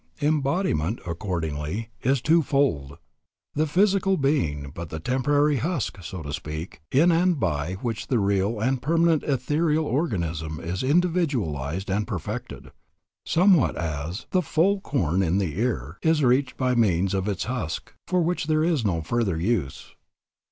Embodiment, accordingly, is two fold, the physical being but the temporary husk, so to speak, in and by which the real and permanent ethereal organism is individualized and perfected, somewhat as 'the full corn in the ear' is reached by means of its husk, for which there is no further use.